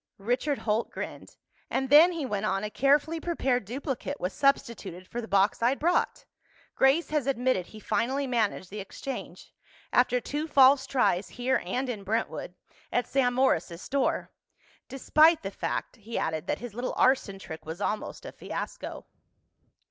Richard Holt grinned. "And then," he went on, "a carefully prepared duplicate was substituted for the box I'd brought. Grace has admitted he finally managed the exchange—after two false tries, here and in Brentwood—at Sam Morris's store. Despite the fact," he added, "that his little arson trick was almost a fiasco."